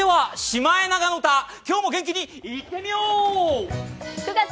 それでは、「シマエナガの歌」、今日も元気にいってみよう！